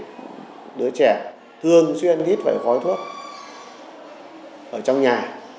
những đứa trẻ thường xuyên hít phải gói thuốc ở trong nhà